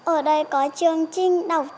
ở đây có chương trình đọc